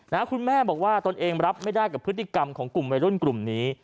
คุณแม่บอกว่าตนเองรับไม่ได้กับพฤติกรรมของกลุ่มวัยรุ่นกลุ่มนี้